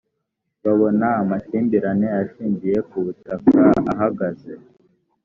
babona amakimbirane ashingiye ku butaka ahagaze